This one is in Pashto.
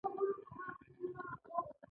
کېدای شي د هغه توکو د پېرودونکو شمېره ټیټه وي